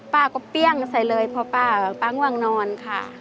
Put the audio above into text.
ป้าก็เปรี้ยงใส่เลยพอป้าปั๊งว่างนอนค่ะ